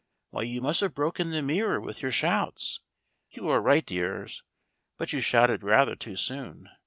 Why, you must have broken the mirror with your shouts. You are right, dears, but you shouted rather too soon.